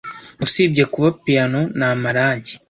Usibye kuba piyano, ni amarangi.